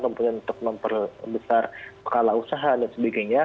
kemudian untuk memperbesar kepala usaha dan sebagainya